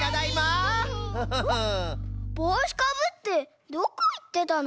ぼうしかぶってどこいってたの？